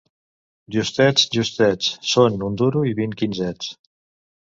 Justets, justets, són, un duro, vint quinzets.